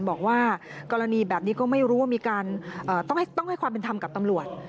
บอกว่ากรณีแบบนี้ก็ไม่รู้ว่ามีการต้องให้ความเป็นธรรมกับตำรวจ